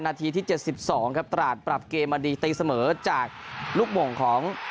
นาทีที่๗๒ครับตราดปรับเกมมาดีตีเสมอจากลูกหม่งของ